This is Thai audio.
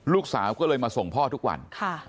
ลูกสาวก็เลยมาส่งพ่อทุกวัน